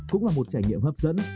cũng là một trải nghiệm hấp dẫn